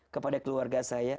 kepada keluarga saya